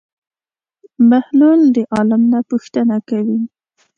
بهلول د عالم نه پوښتنه کوي.